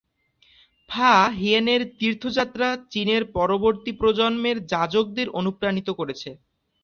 ফা-হিয়েনের তীর্থযাত্রা চীনের পরবর্তী প্রজন্মের যাজকদের অনুপ্রাণিত করেছে।